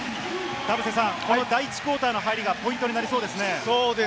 第１クオーターの入りがポイントになりそうですね。